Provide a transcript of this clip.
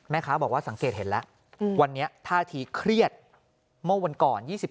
แม่ค้าบอกว่าสังเกตเห็นแล้ววันนี้ท่าทีเครียดเมื่อวันก่อน